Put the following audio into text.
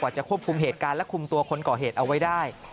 จะควบคุมเหตุการณ์และคุมตัวคนก่อเหตุเอาไว้ได้